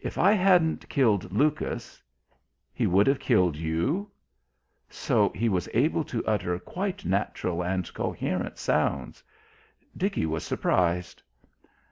If I hadn't killed Lucas " "He would have killed you?" So he was able to utter quite natural and coherent sounds! Dickie was surprised.